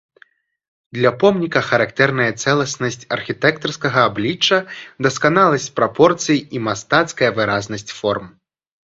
Для помніка характэрная цэласнасць архітэктарскага аблічча, дасканаласць прапорцый і мастацкая выразнасць форм.